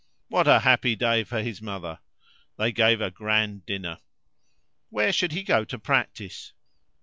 What a happy day for his mother! They gave a grand dinner. Where should he go to practice?